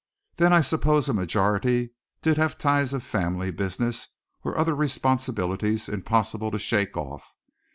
Then I suppose a majority did have ties of family, business or other responsibilities impossible to shake off.